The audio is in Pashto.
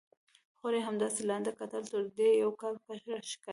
خور یې همداسې لاندې کتل، تر دې یو کال کشره ښکارېده.